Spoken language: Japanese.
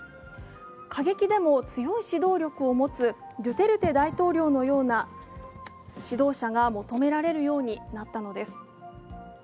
過激でも強い指導力を持つドゥテルテ大統領のような指導者が求められるようになったのです。